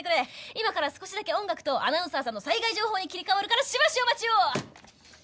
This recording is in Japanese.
今から少しだけ音楽とアナウンサーさんの災害情報に切り替わるからしばしお待ちを！